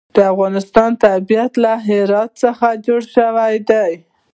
د افغانستان طبیعت له هرات څخه جوړ شوی دی.